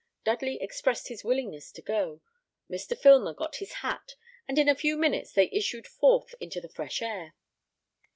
Dudley expressed his willingness to go; Mr. Filmer got his hat, and in a few minutes they issued forth into the fresh air.